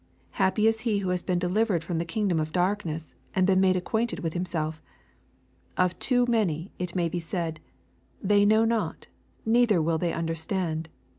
Happy is he who has been delivered from the kingdom of darkness, and been made acquainted with himself 1 Of too many it may be said, " They know not, neither will they under \ stand.